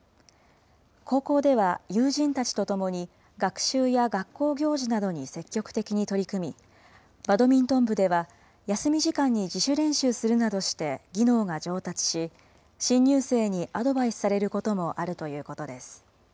高校では、友人たちとともに学習や学校行事などに積極的に取り組み、バドミントン部では、休み時間に自主練習するなどして技能が上達し、新入生にアドバイスされることもあるということです。